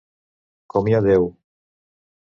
Com hi ha Déu!